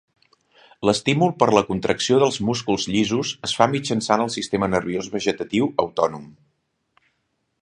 L’estímul per la contracció dels músculs llisos es fa mitjançant el sistema nerviós vegetatiu autònom.